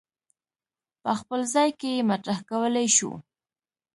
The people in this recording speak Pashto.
په خپل ځای کې یې مطرح کولای شو.